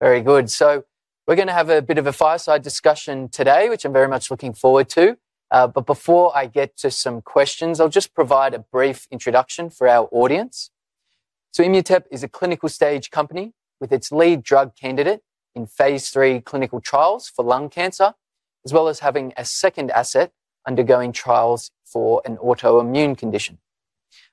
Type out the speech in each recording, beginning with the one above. Very good. We're going to have a bit of a fireside discussion today, which I'm very much looking forward to. Before I get to some questions, I'll just provide a brief introduction for our audience. Immutep is a clinical stage company with its lead drug candidate in phase III clinical trials for lung cancer, as well as having a second asset undergoing trials for an autoimmune condition.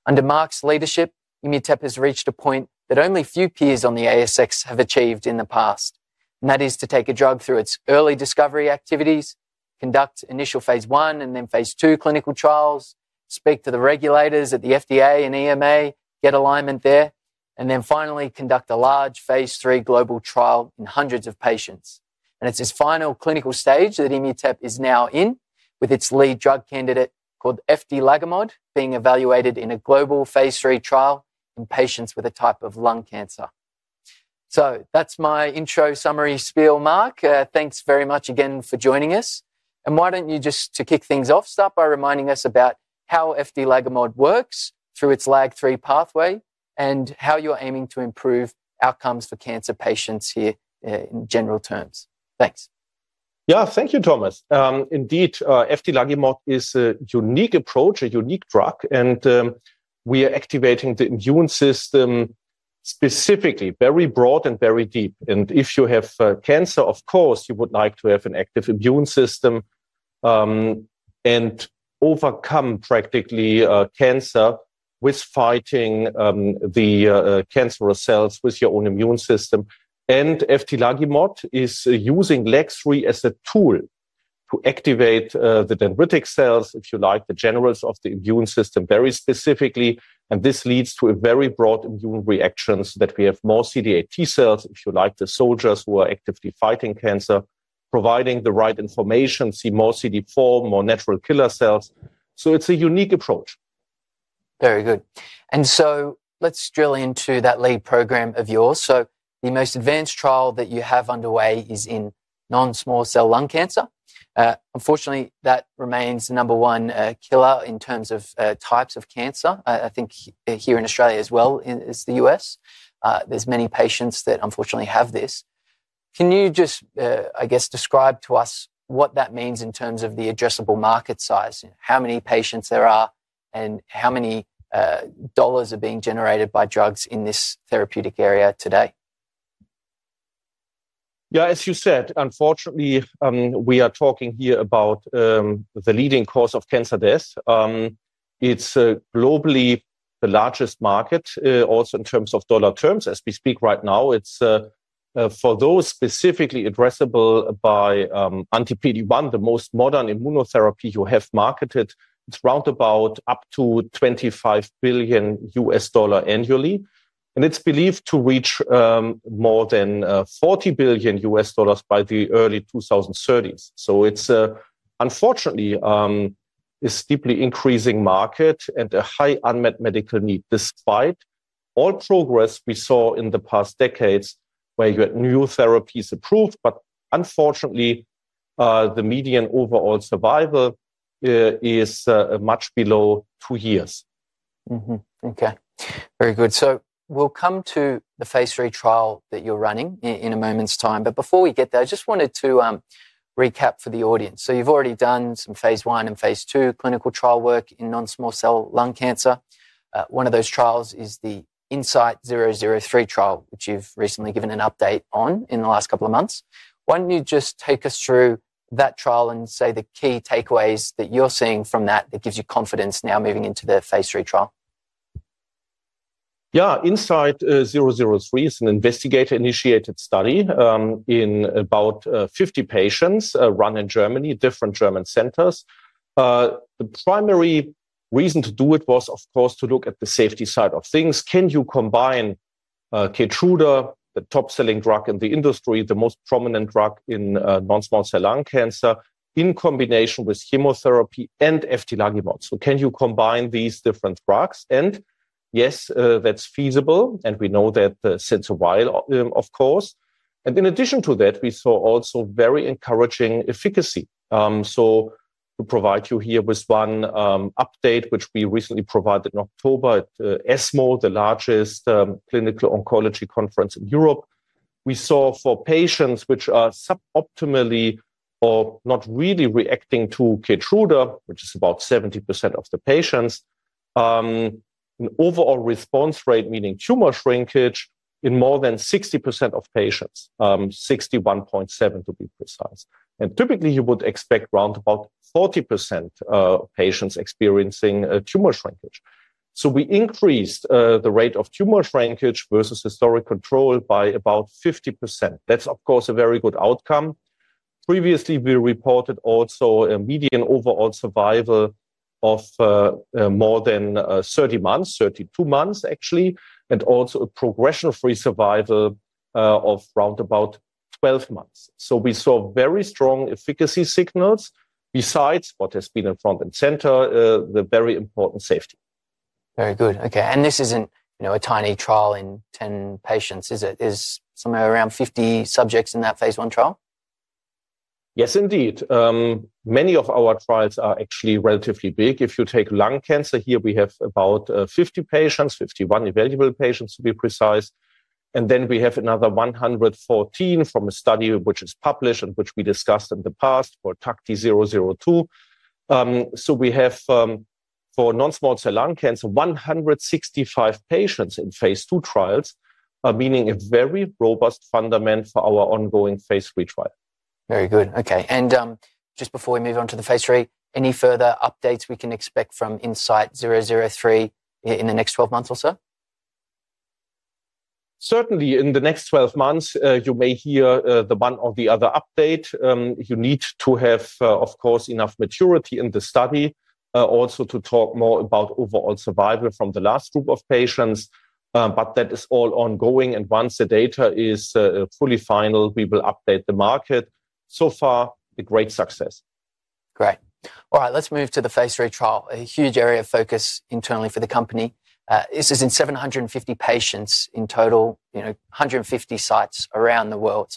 Under Marc's leadership, Immutep has reached a point that only few peers on the ASX have achieved in the past, and that is to take a drug through its early discovery activities, conduct initial phase I and then phase II clinical trials, speak to the regulators at the FDA and EMA, get alignment there, and then finally conduct a large phase III global trial in hundreds of patients. It is this final clinical stage that Immutep is now in, with its lead drug candidate called eftilagimod alpha being evaluated in a global phase III trial in patients with a type of lung cancer. That is my intro summary spiel, Marc. Thanks very much again for joining us. Why don't you just, to kick things off, start by reminding us about how eftilagimod alpha works through its LAG-3 pathway and how you're aiming to improve outcomes for cancer patients here in general terms. Thanks. Yeah, thank you, Thomas. Indeed, eftilagimod is a unique approach, a unique drug, and we are activating the immune system specifically, very broad and very deep. If you have cancer, of course, you would like to have an active immune system and overcome practically cancer with fighting the cancerous cells with your own immune system. Eftilagimod is using LAG-3 as a tool to activate the dendritic cells, if you like, the generals of the immune system very specifically. This leads to a very broad immune reaction so that we have more CD8 T cells, if you like, the soldiers who are actively fighting cancer, providing the right information, see more CD4, more natural killer cells. It's a unique approach. Very good. Let's drill into that lead program of yours. The most advanced trial that you have underway is in non-small cell lung cancer. Unfortunately, that remains the number one killer in terms of types of cancer. I think here in Australia as well as the U.S., there are many patients that unfortunately have this. Can you just, I guess, describe to us what that means in terms of the addressable market size, how many patients there are, and how many dollars are being generated by drugs in this therapeutic area today? Yeah, as you said, unfortunately, we are talking here about the leading cause of cancer death. It's globally the largest market, also in terms of dollar terms as we speak right now. It's for those specifically addressable by anti-PD-1, the most modern immunotherapy you have marketed, it's round about up to $25 billion US dollars annually. It's believed to reach more than $40 billion US dollars by the early 2030s. It's unfortunately a steeply increasing market and a high unmet medical need, despite all progress we saw in the past decades where you had new therapies approved, but unfortunately, the median overall survival is much below two years. Okay, very good. We'll come to the phase III trial that you're running in a moment's time. Before we get there, I just wanted to recap for the audience. You've already done some phase I and phase II clinical trial work in non-small cell lung cancer. One of those trials is the INSIGHT-003 trial, which you've recently given an update on in the last couple of months. Why don't you just take us through that trial and say the key takeaways that you're seeing from that that gives you confidence now moving into the phase III trial? Yeah, INSIGHT-003 is an investigator-initiated study in about 50 patients run in Germany, different German centers. The primary reason to do it was, of course, to look at the safety side of things. Can you combine Keytruda, the top-selling drug in the industry, the most prominent drug in non-small cell lung cancer, in combination with chemotherapy and eftilagimod? Can you combine these different drugs? Yes, that's feasible. We know that since a while, of course. In addition to that, we saw also very encouraging efficacy. To provide you here with one update, which we recently provided in October at ESMO, the largest clinical oncology conference in Europe, we saw for patients which are suboptimally or not really reacting to Keytruda, which is about 70% of the patients, an overall response rate, meaning tumor shrinkage, in more than 60% of patients, 61.7% to be precise. Typically, you would expect round about 40% of patients experiencing tumor shrinkage. We increased the rate of tumor shrinkage versus historic control by about 50%. That's, of course, a very good outcome. Previously, we reported also a median overall survival of more than 30 months, 32 months actually, and also a progression-free survival of round about 12 months. We saw very strong efficacy signals besides what has been in front and center, the very important safety. Very good. Okay. This isn't a tiny trial in 10 patients, is it? Is somewhere around 50 subjects in that phase I trial? Yes, indeed. Many of our trials are actually relatively big. If you take lung cancer here, we have about 50 patients, 51 available patients to be precise. Then we have another 114 from a study which is published and which we discussed in the past for TACTI-002. We have for non-small cell lung cancer, 165 patients in phase II trials, meaning a very robust fundament for our ongoing phase III trial. Very good. Okay. Just before we move on to the phase III, any further updates we can expect from INSIGHT-003 in the next 12 months or so? Certainly, in the next 12 months, you may hear the one or the other update. You need to have, of course, enough maturity in the study also to talk more about overall survival from the last group of patients. That is all ongoing. Once the data is fully final, we will update the market. So far, a great success. Great. All right, let's move to the phase III trial, a huge area of focus internally for the company. This is in 750 patients in total, 150 sites around the world.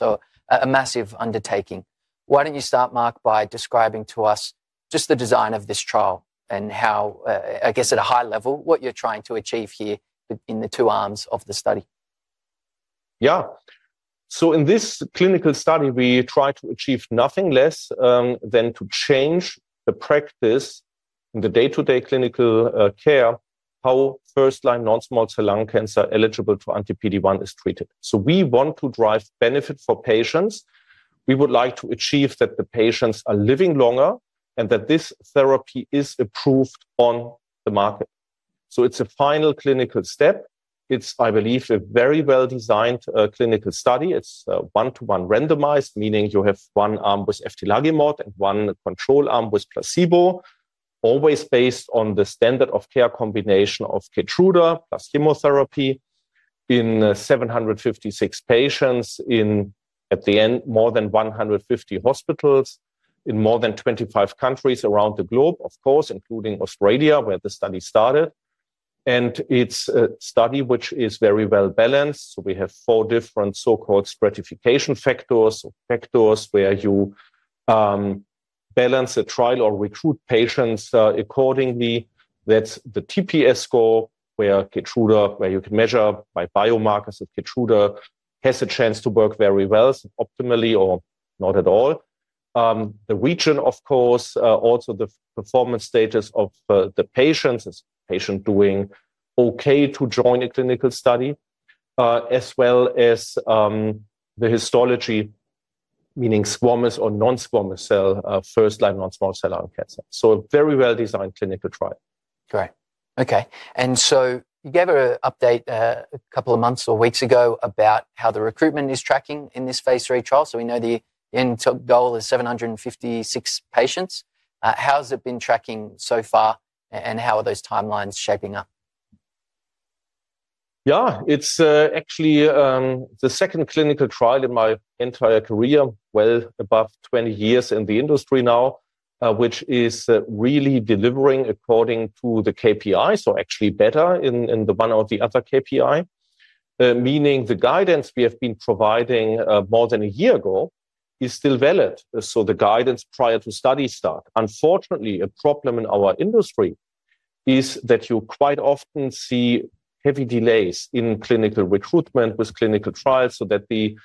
A massive undertaking. Why don't you start, Marc, by describing to us just the design of this trial and how, I guess at a high level, what you're trying to achieve here in the two arms of the study? Yeah. In this clinical study, we try to achieve nothing less than to change the practice in the day-to-day clinical care, how first-line non-small cell lung cancer eligible for anti-PD-1 is treated. We want to drive benefit for patients. We would like to achieve that the patients are living longer and that this therapy is approved on the market. It is a final clinical step. It is, I believe, a very well-designed clinical study. It is one-to-one randomized, meaning you have one arm with eftilagimod and one control arm with placebo, always based on the standard of care combination of Keytruda plus chemotherapy in 756 patients in, at the end, more than 150 hospitals in more than 25 countries around the globe, of course, including Australia, where the study started. It is a study which is very well balanced. We have four different so-called stratification factors, factors where you balance a trial or recruit patients accordingly. That's the TPS score where Keytruda, where you can measure by biomarkers of Keytruda, has a chance to work very well optimally or not at all. The region, of course, also the performance status of the patients, is patient doing okay to join a clinical study, as well as the histology, meaning squamous or non-squamous cell, first-line non-small cell lung cancer. A very well-designed clinical trial. Great. Okay. You gave an update a couple of months or weeks ago about how the recruitment is tracking in this phase III trial. We know the end goal is 756 patients. How has it been tracking so far and how are those timelines shaping up? Yeah, it's actually the second clinical trial in my entire career, well above 20 years in the industry now, which is really delivering according to the KPIs, or actually better in the one or the other KPI, meaning the guidance we have been providing more than a year ago is still valid. The guidance prior to study start. Unfortunately, a problem in our industry is that you quite often see heavy delays in clinical recruitment with clinical trials so that the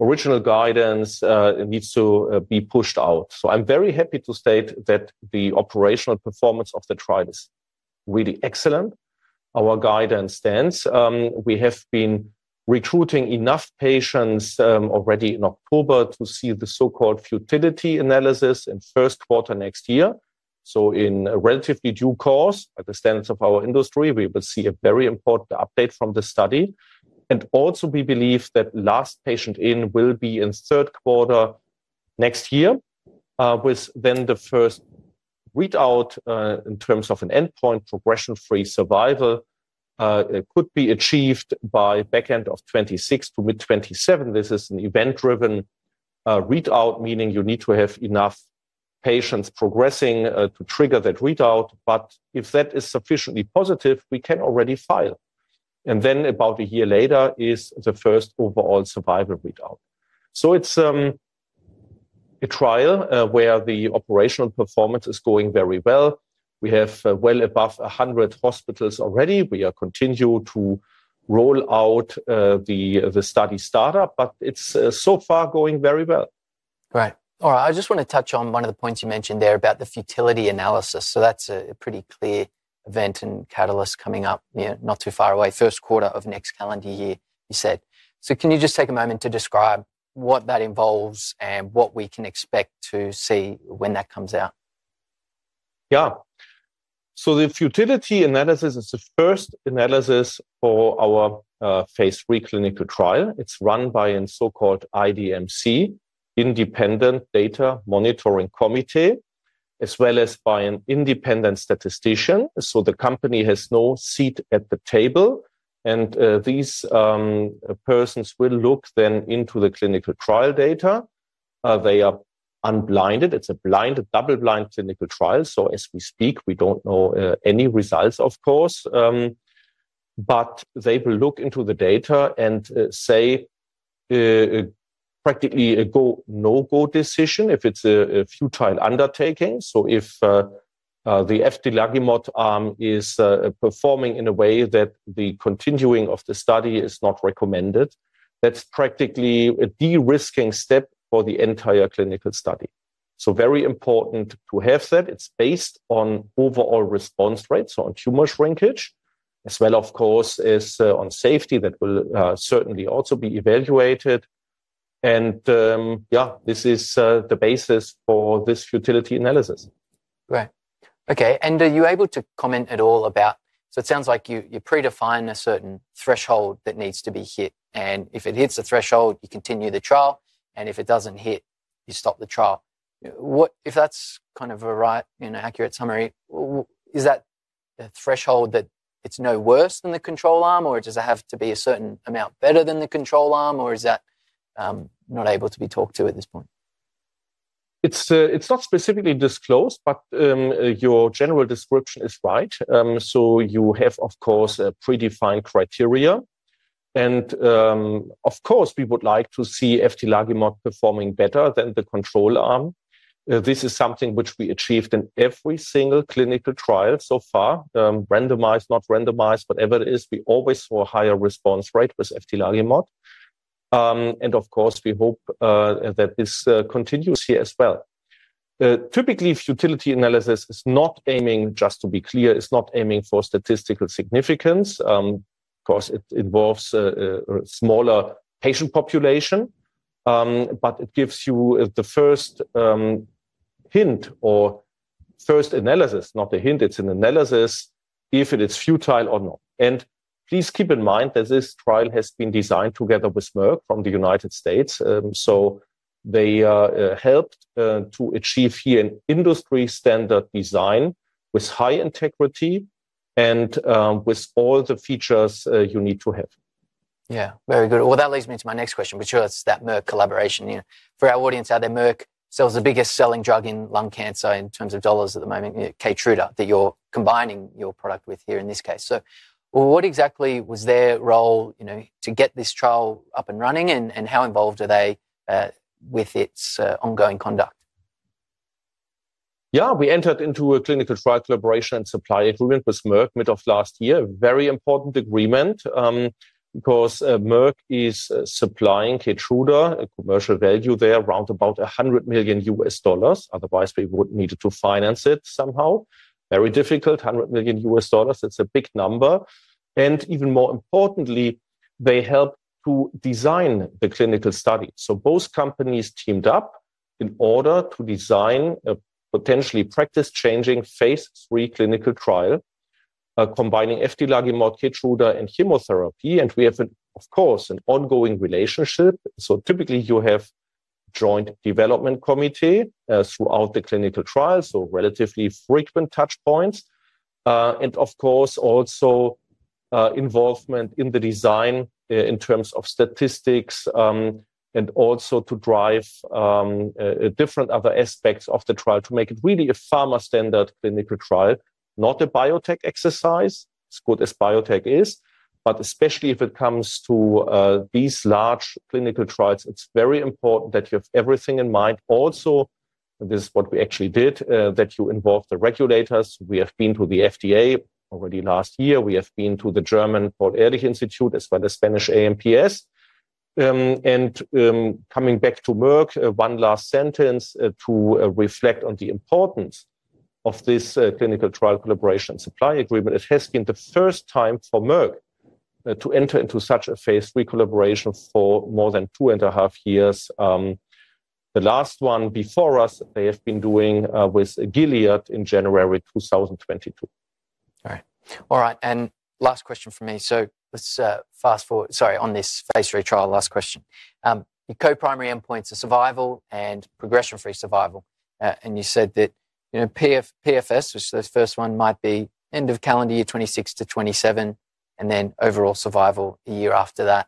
original guidance needs to be pushed out. I'm very happy to state that the operational performance of the trial is really excellent. Our guidance stands. We have been recruiting enough patients already in October to see the so-called futility analysis in first quarter next year. In a relatively due course, by the standards of our industry, we will see a very important update from the study. We believe that last patient in will be in third quarter next year with then the first readout in terms of an endpoint, progression-free survival could be achieved by back end of 2026 to mid-2027. This is an event-driven readout, meaning you need to have enough patients progressing to trigger that readout. If that is sufficiently positive, we can already file. About a year later is the first overall survival readout. It is a trial where the operational performance is going very well. We have well above 100 hospitals already. We are continuing to roll out the study startup, but it is so far going very well. Right. All right. I just want to touch on one of the points you mentioned there about the futility analysis. That is a pretty clear event and catalyst coming up not too far away, first quarter of next calendar year, you said. Can you just take a moment to describe what that involves and what we can expect to see when that comes out? Yeah. So the futility analysis is the first analysis for our phase III clinical trial. It's run by a so-called IDMC, Independent Data Monitoring Committee, as well as by an independent statistician. So the company has no seat at the table. These persons will look then into the clinical trial data. They are unblinded. It's a blind, a double-blind clinical trial. As we speak, we don't know any results, of course. They will look into the data and say practically a go/no-go decision if it's a futile undertaking. If the eftilagimod arm is performing in a way that the continuing of the study is not recommended, that's practically a de-risking step for the entire clinical study. Very important to have that. It's based on overall response rate, so on tumor shrinkage, as well, of course, as on safety that will certainly also be evaluated. Yeah, this is the basis for this futility analysis. Right. Okay. Are you able to comment at all about, it sounds like you predefine a certain threshold that needs to be hit. If it hits the threshold, you continue the trial. If it does not hit, you stop the trial. If that is kind of a right, an accurate summary, is that a threshold that it is no worse than the control arm, or does it have to be a certain amount better than the control arm, or is that not able to be talked to at this point? It's not specifically disclosed, but your general description is right. You have, of course, a predefined criteria. Of course, we would like to see Eftilagimod performing better than the control arm. This is something which we achieved in every single clinical trial so far, randomized, not randomized, whatever it is, we always saw a higher response rate with Eftilagimod. Of course, we hope that this continues here as well. Typically, futility analysis is not aiming, just to be clear, is not aiming for statistical significance. It involves a smaller patient population, but it gives you the first hint or first analysis, not a hint, it's an analysis if it is futile or not. Please keep in mind that this trial has been designed together with Merck from the United States. They helped to achieve here an industry standard design with high integrity and with all the features you need to have. Yeah, very good. That leads me to my next question, which was that Merck collaboration. For our audience, Merck sells the biggest selling drug in lung cancer in terms of dollars at the moment, Keytruda, that you're combining your product with here in this case. What exactly was their role to get this trial up and running, and how involved are they with its ongoing conduct? Yeah, we entered into a clinical trial collaboration and supply agreement with Merck mid of last year, a very important agreement because Merck is supplying Keytruda, a commercial value there, round about $100 million US dollars. Otherwise, we would need to finance it somehow. Very difficult, $100 million US dollars. It's a big number. Even more importantly, they helped to design the clinical study. Both companies teamed up in order to design a potentially practice-changing phase III clinical trial combining eftilagimod alpha, Keytruda, and chemotherapy. We have, of course, an ongoing relationship. Typically, you have a joint development committee throughout the clinical trial, so relatively frequent touchpoints. Of course, also involvement in the design in terms of statistics and also to drive different other aspects of the trial to make it really a pharma-standard clinical trial, not a biotech exercise. It's good as biotech is, but especially if it comes to these large clinical trials, it's very important that you have everything in mind. Also, this is what we actually did, that you involve the regulators. We have been to the FDA already last year. We have been to the German Paul-Ehrlich Institute, as well as Spanish AEMPS. Coming back to Merck, one last sentence to reflect on the importance of this clinical trial collaboration supply agreement. It has been the first time for Merck to enter into such a phase III collaboration for more than two and a half years. The last one before us, they have been doing with Gilead in January 2022. Okay. All right. Last question for me. Let's fast forward, sorry, on this phase III trial, last question. Your co-primary endpoints are survival and progression-free survival. You said that PFS, which is the first one, might be end of calendar year 2026 to 2027, and then overall survival a year after that.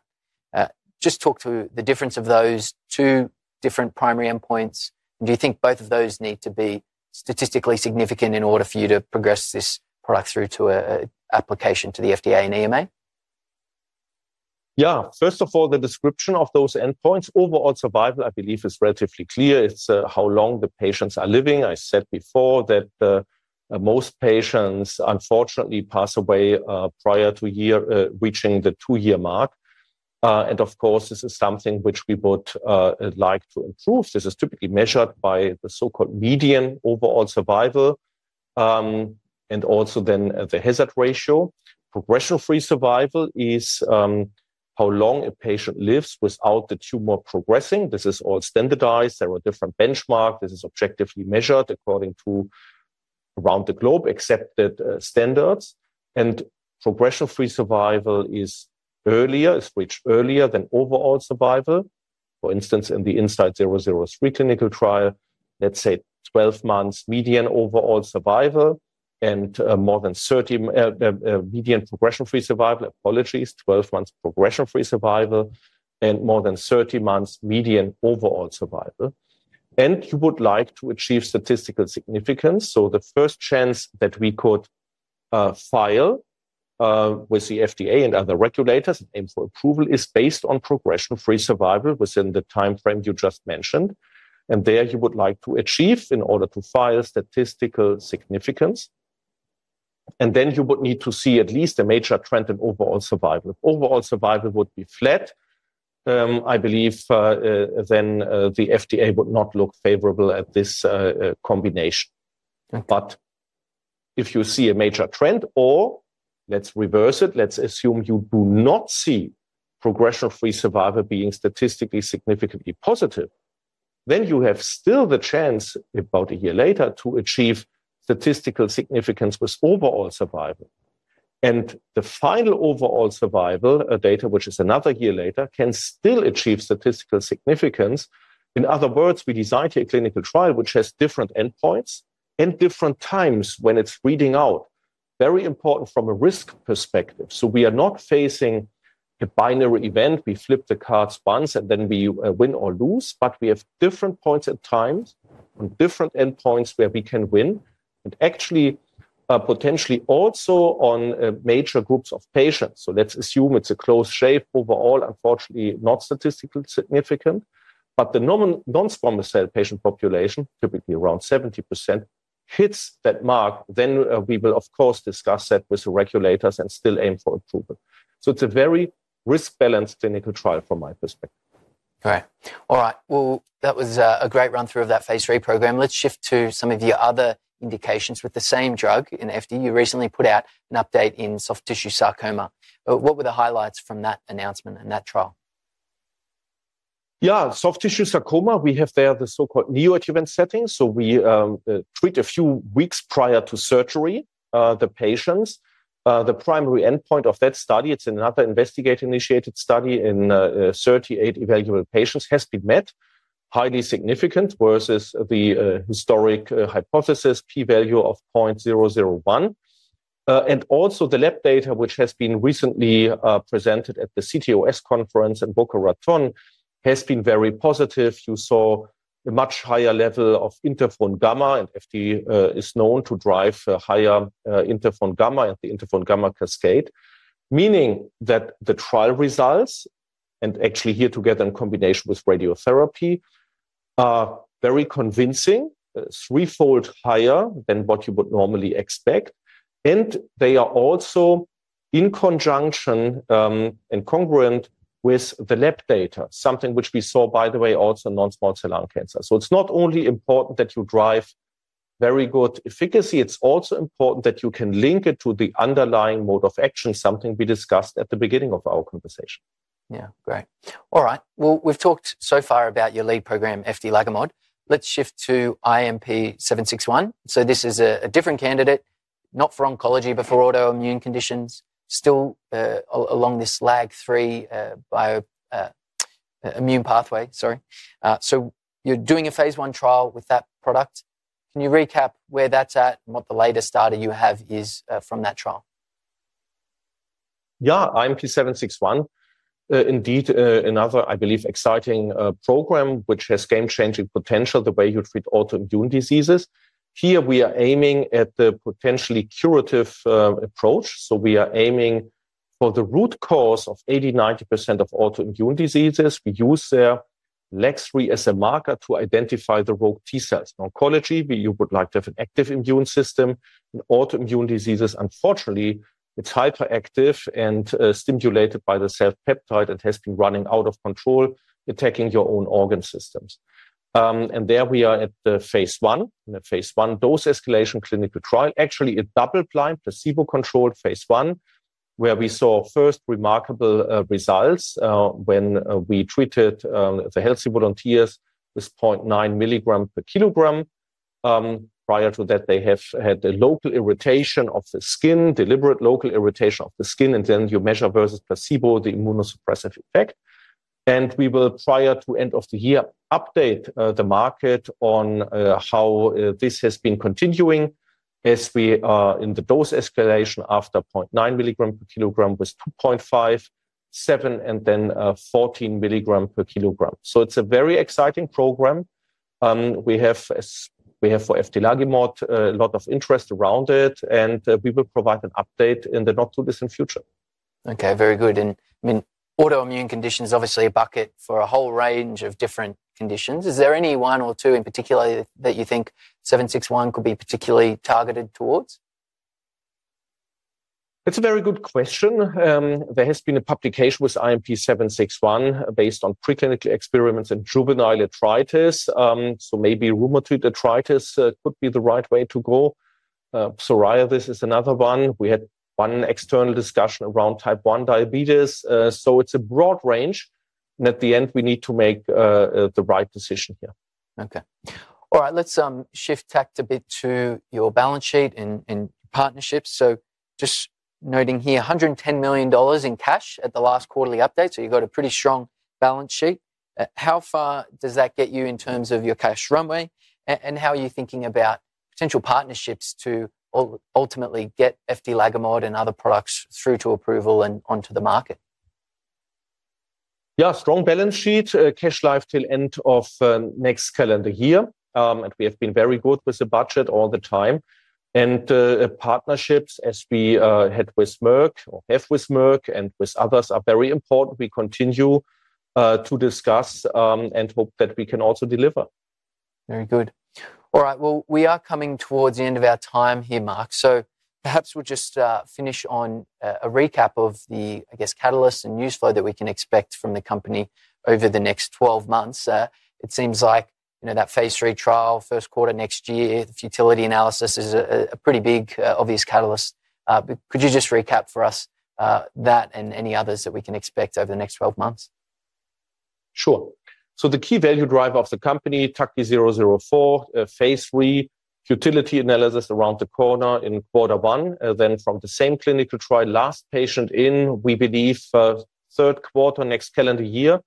Just talk to the difference of those two different primary endpoints. Do you think both of those need to be statistically significant in order for you to progress this product through to an application to the FDA and EMA? Yeah. First of all, the description of those endpoints, overall survival, I believe is relatively clear. It's how long the patients are living. I said before that most patients, unfortunately, pass away prior to reaching the two-year mark. Of course, this is something which we would like to improve. This is typically measured by the so-called median overall survival and also then the hazard ratio. Progression-free survival is how long a patient lives without the tumor progressing. This is all standardized. There are different benchmarks. This is objectively measured according to around the globe accepted standards. Progression-free survival is reached earlier than overall survival. For instance, in the INSIGHT-003 clinical trial, let's say 12 months median overall survival and more than 30 median progression-free survival. Apologies, 12 months progression-free survival and more than 30 months median overall survival. You would like to achieve statistical significance. The first chance that we could file with the FDA and other regulators and aim for approval is based on progression-free survival within the time frame you just mentioned. There you would like to achieve in order to file statistical significance. You would need to see at least a major trend in overall survival. If overall survival would be flat, I believe the FDA would not look favorable at this combination. If you see a major trend or let's reverse it, let's assume you do not see progression-free survival being statistically significantly positive, you still have the chance about a year later to achieve statistical significance with overall survival. The final overall survival data, which is another year later, can still achieve statistical significance. In other words, we designed a clinical trial which has different endpoints and different times when it's reading out, very important from a risk perspective. We are not facing a binary event. We flip the cards once and then we win or lose, but we have different points at times on different endpoints where we can win and actually potentially also on major groups of patients. Let's assume it's a close shape overall, unfortunately not statistically significant, but the non-small cell patient population, typically around 70%, hits that marc, we will, of course, discuss that with the regulators and still aim for approval. It is a very risk-balanced clinical trial from my perspective. Okay. All right. That was a great run-through of that phase III program. Let's shift to some of your other indications with the same drug in FD. You recently put out an update in soft tissue sarcoma. What were the highlights from that announcement and that trial? Yeah, soft tissue sarcoma, we have there the so-called neoadjuvant settings. We treat a few weeks prior to surgery the patients. The primary endpoint of that study, it's another investigator-initiated study in 38 evaluable patients, has been met, highly significant versus the historic hypothesis, p-value of 0.001. Also the lab data, which has been recently presented at the CTOS conference in Boca Raton, has been very positive. You saw a much higher level of interferon gamma, and FD is known to drive higher interferon gamma and the interferon gamma cascade, meaning that the trial results, and actually here together in combination with radiotherapy, are very convincing, threefold higher than what you would normally expect. They are also in conjunction and congruent with the lab data, something which we saw, by the way, also in non-small cell lung cancer. It's not only important that you drive very good efficacy, it's also important that you can link it to the underlying mode of action, something we discussed at the beginning of our conversation. Yeah, great. All right. We've talked so far about your lead program, eftilagimod alpha. Let's shift to IMP761. This is a different candidate, not for oncology, but for autoimmune conditions, still along this LAG-3 immune pathway, sorry. You're doing a phase I trial with that product. Can you recap where that's at and what the latest data you have is from that trial? Yeah, IMP761, indeed, another, I believe, exciting program, which has game-changing potential the way you treat autoimmune diseases. Here we are aiming at the potentially curative approach. We are aiming for the root cause of 80%-90% of autoimmune diseases. We use there LAG-3 as a marker to identify the rogue T cells. In oncology, you would like to have an active immune system. In autoimmune diseases, unfortunately, it is hyperactive and stimulated by the self-peptide and has been running out of control, attacking your own organ systems. We are at the phase I, in the phase I dose escalation clinical trial, actually a double-blind placebo-controlled phase I, where we saw first remarkable results when we treated the healthy volunteers with 0.9 mg per kg. Prior to that, they have had a local irritation of the skin, deliberate local irritation of the skin, and then you measure versus placebo the immunosuppressive effect. We will, prior to the end of the year, update the market on how this has been continuing as we are in the dose escalation after 0.9 mg per kg with 2.5, 7, and then 14 mg per kg. It is a very exciting program. We have for eftilagimod alpha a lot of interest around it, and we will provide an update in the not-too-distant future. Okay, very good. I mean, autoimmune conditions is obviously a bucket for a whole range of different conditions. Is there any one or two in particular that you think 761 could be particularly targeted towards? It's a very good question. There has been a publication with IMP761 based on preclinical experiments in juvenile arthritis. Maybe rheumatoid arthritis could be the right way to go. Psoriasis is another one. We had one external discussion around type 1 diabetes. It is a broad range. At the end, we need to make the right decision here. Okay. All right, let's shift tact a bit to your balance sheet and partnerships. Just noting here, 110 million dollars in cash at the last quarterly update. You've got a pretty strong balance sheet. How far does that get you in terms of your cash runway and how are you thinking about potential partnerships to ultimately get eftilagimod and other products through to approval and onto the market? Yeah, strong balance sheet, cash live till end of next calendar year. We have been very good with the budget all the time. Partnerships as we had with Merck or have with Merck and with others are very important. We continue to discuss and hope that we can also deliver. Very good. All right, we are coming towards the end of our time here, Marc. Perhaps we'll just finish on a recap of the, I guess, catalysts and news flow that we can expect from the company over the next 12 months. It seems like that phase III trial, first quarter next year, the futility analysis is a pretty big obvious catalyst. Could you just recap for us that and any others that we can expect over the next 12 months? Sure. The key value drive of the company, TACTI-004, phase III, futility analysis around the corner in quarter one. From the same clinical trial, last patient in, we believe third quarter next calendar year.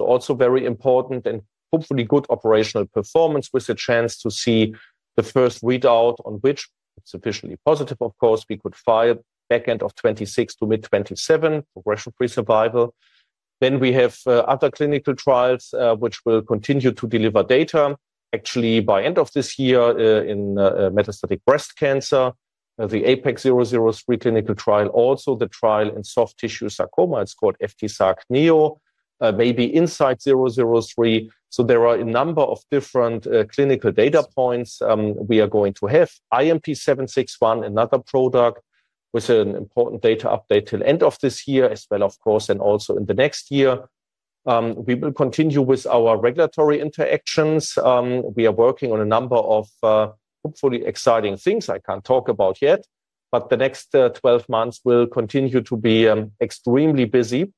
Also very important and hopefully good operational performance with a chance to see the first readout on which, if sufficiently positive, of course, we could file back end of 2026 to mid-2027, progression-free survival. We have other clinical trials which will continue to deliver data, actually by end of this year in metastatic breast cancer, the APEX-003 clinical trial, also the trial in soft tissue sarcoma, it's called FTSARC-NEO, maybe INSIGHT-003. There are a number of different clinical data points we are going to have. IMP761, another product with an important data update till end of this year as well, of course, and also in the next year. We will continue with our regulatory interactions. We are working on a number of hopefully exciting things I can't talk about yet, but the next 12 months will continue to be extremely busy.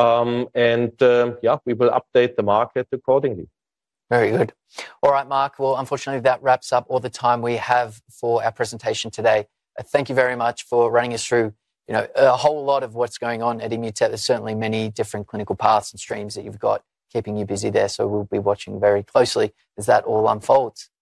Yeah, we will update the market accordingly. Very good. All right, Marc. Unfortunately, that wraps up all the time we have for our presentation today. Thank you very much for running us through a whole lot of what's going on at Immutep. There's certainly many different clinical paths and streams that you've got keeping you busy there. We will be watching very closely as that all unfolds. Thanks.